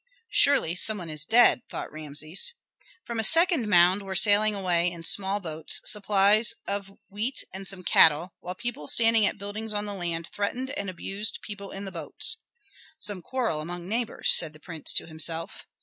"Surely some one is dead," thought Rameses. From a second mound were sailing away in small boats supplies of wheat and some cattle, while people standing at buildings on the land threatened and abused people in the boats. "Some quarrel among neighbors," said the prince to himself.